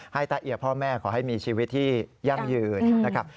ตะเอียพ่อแม่ขอให้มีชีวิตที่ยั่งยืนนะครับ